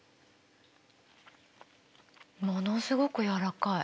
ものすごく柔らかい。